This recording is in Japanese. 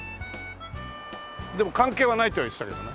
でも「関係はない」とは言ってたけどね。